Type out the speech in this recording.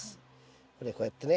これこうやってね。